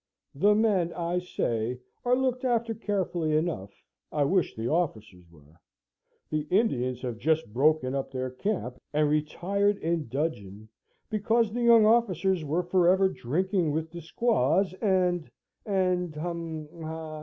The men, I say, are looked after carefully enough. I wish the officers were. The Indians have just broken up their camp, and retired in dudgeon, because the young officers were for ever drinking with the squaws and and hum ha."